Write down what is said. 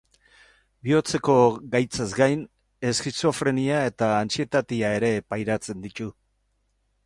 Bihotzeko gaitzaz gain, eskizofrenia eta antsietatea ere pairatzen ditu.